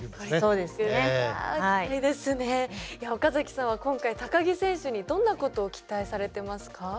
岡崎さんは今回木選手にどんなことを期待されてますか？